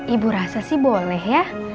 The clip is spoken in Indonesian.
ibu rasa sih boleh ya